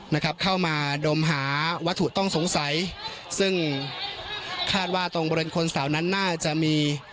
นะครับเข้ามาดมหาวัตถุต้องสงสัยซึ่งคาดว่าตรงบริเวณคนเสานั้นน่าจะมี